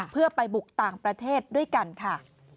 เพื่อไปบุกต่างประเทศด้วยกันค่ะ